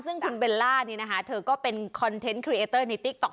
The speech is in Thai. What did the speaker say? ซึ่งคุณเบลล่านี้นะคะเธอก็เป็นคอนเทนต์ครีเอเตอร์ในติ๊กต๊อ